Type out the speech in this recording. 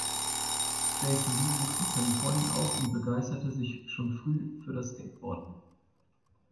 Jason Lee wuchs in Kalifornien auf und begeisterte sich schon früh für das Skateboarden.